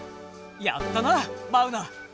やったなマウナ。